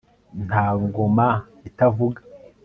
nta ngoma itavuga